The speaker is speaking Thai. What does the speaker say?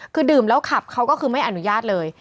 คือดื่มแล้วขับเขาก็คือไม่อนุญาตเลย